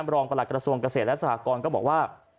รองประหลักกระทรวงกระเศษและสถาคมก็บอกว่า